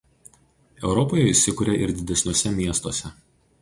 Europoje įsikuria ir didesniuose miestuose.